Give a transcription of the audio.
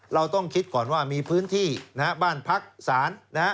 เราต้องคิดก่อนว่ามีพื้นที่บ้านพักศาล